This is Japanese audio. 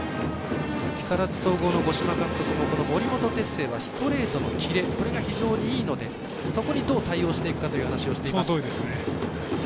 木更津総合の五島監督も森本哲星はストレートのキレこれが非常にいいのでそこにどう対応していくかという話をしています。